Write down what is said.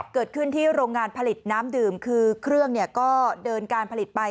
เกิดขึ้นที่โรงงานผลิตน้ำดื่มคือเครื่องก็เดินการผลิตไป